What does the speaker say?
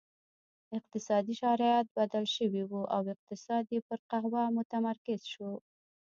اقتصادي شرایط بدل شوي وو او اقتصاد یې پر قهوه متمرکز شو.